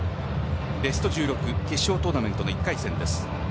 ベスト１６決勝トーナメントの１回戦です。